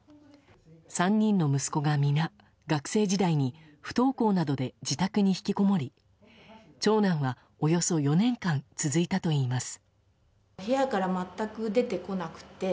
３人の息子が皆、学生時代に不登校などで自宅にひきこもり長男は、およそ４年間続いたといいます。